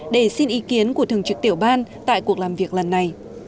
để xin ý kiến của thường trực tiểu ban tại cuộc làm việc lần này